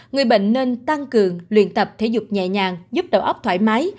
người bệnh nên tăng cường luyện tập thể dục nhẹ nhàng giúp đầu óc thoải mái